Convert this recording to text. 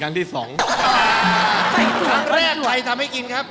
ครั้งแรกใครทำให้กินครับ